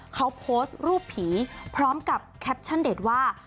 เขาโพสต์รูปผีพร้อมกับแคปชั่นเด็ดว่า